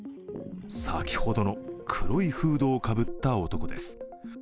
先ほどの黒いフードをかぶった男です。